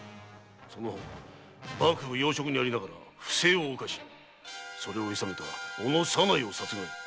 その方幕府要職にありながら不正を犯しそれを諌めた小野左内を殺害。